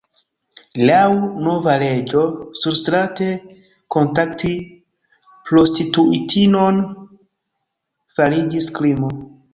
Laŭ nova leĝo surstrate kontakti prostituitinon fariĝis krimo.